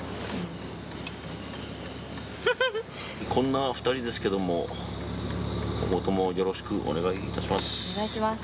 こんな２人ですけれども、今後ともよろしくお願いいたします。